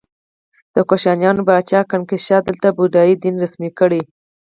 د کوشانیانو پاچا کنیشکا دلته بودايي دین رسمي کړ